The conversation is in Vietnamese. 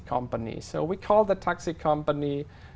cũng là những điều ngày hôm nay